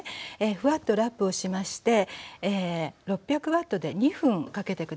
ふわっとラップをしまして６００Ｗで２分かけて下さい。